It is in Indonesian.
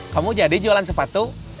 kamu jadi jualan sepatu